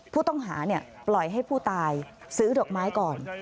ผู้ต้องหาปล่อยให้ผู้ตายซื้อดอกไม้ก่อน